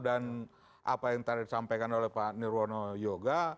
dan apa yang tadi disampaikan oleh pak nirwono yoga